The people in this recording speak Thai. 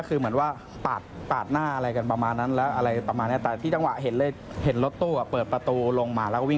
เราได้ถามไหมว่าพี่ทะเลาะกันเรื่องอะไร